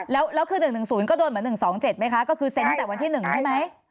แล้วแล้วคือหนึ่งหนึ่งศูนย์ก็โดนเหมือนหนึ่งสองเจ็ดไหมคะก็คือเซ็นต์ตั้งแต่วันที่หนึ่งใช่ไหมใช่ใช่